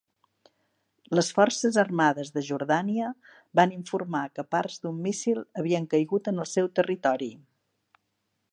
Les forces armades de Jordània van informar que parts d'un míssil havien caigut en el seu territori.